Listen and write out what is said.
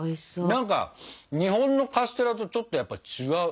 何か日本のカステラとちょっとやっぱ違う。